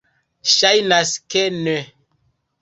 Ŝajnas ke ne.